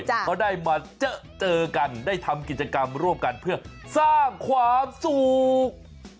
เขาได้มาเจอเจอกันได้ทำกิจกรรมร่วมกันเพื่อสร้างความสุข